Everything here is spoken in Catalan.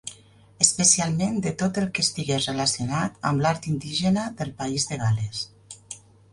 Especialment de tot el que estigués relacionat amb l'art indígena del País de Gal·les.